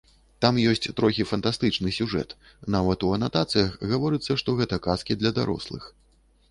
Там ёсць трохі фантастычны сюжэт, нават у анатацыях гаворыцца, што гэта казкі для дарослых.